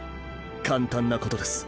簡単なことです。